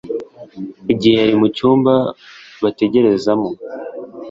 igihe yari mu cyumba bategererezamo